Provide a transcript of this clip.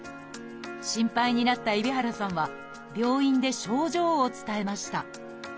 心配になった海老原さんは病院で症状を伝えました。